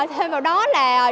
thêm vào đó là